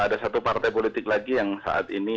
ada satu partai politik lagi yang saat ini